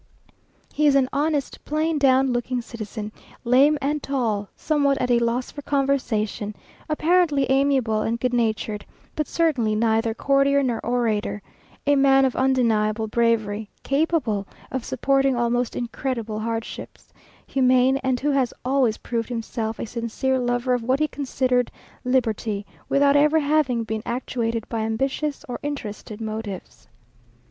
He is an honest, plain, down looking citizen, lame and tall, somewhat at a loss for conversation, apparently amiable and good natured, but certainly neither courtier nor orator; a man of undeniable bravery, capable of supporting almost incredible hardships, humane, and who has always proved himself a sincere lover of what he considered liberty, without ever having been actuated by ambitious or interested motives.